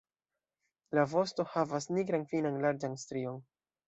La vosto havas nigran finan larĝan strion.